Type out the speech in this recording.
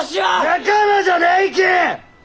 仲間じゃないき！